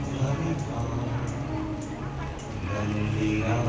สวัสดีครับสวัสดีครับ